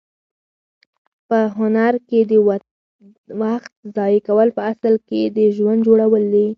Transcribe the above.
په هنر کې د وخت ضایع کول په اصل کې د ژوند جوړول دي.